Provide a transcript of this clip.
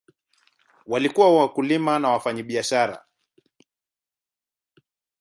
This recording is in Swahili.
Walikuwa wakulima na wafanyabiashara.